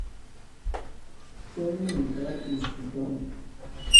Fue un militar y escritor español.